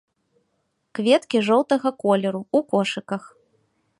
Кветкі жоўтага колеру, у кошыках.